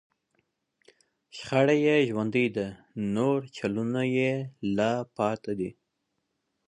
شخړه یې ژوندۍ ده، مورچلونه یې لا پاتې دي